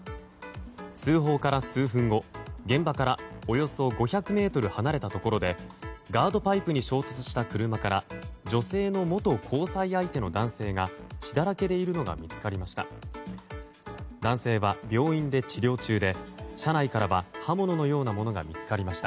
通報から数分後、現場からおよそ５００ｍ離れたところでガードパイプに衝突した車から女性の元交際相手の男性が血だらけでいるのが見つかりました。